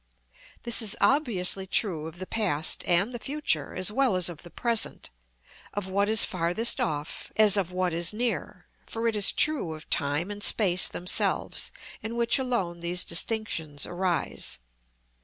This is obviously true of the past and the future, as well as of the present, of what is farthest off, as of what is near; for it is true of time and space themselves, in which alone these distinctions arise.